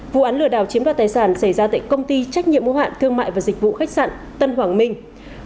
vụ án lừa đảo chiếm đoạt tài sản xảy ra tại công ty trách nhiệm mô hạn thương mại và dịch vụ khách sạn tân hoàng minh